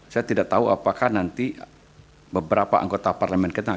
saya tidak tahu apakah nanti beberapa anggota parlemen kena